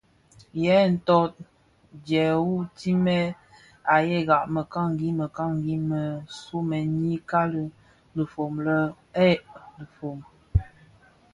Yèè thot djehoutimès a yëga mekanikani më somèn nyi kali dhifom le: eed: dhifom.